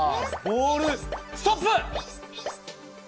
ボールストップ！